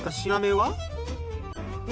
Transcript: はい。